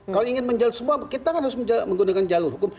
kalau ingin menjawab semua kita kan harus menggunakan jalur hukum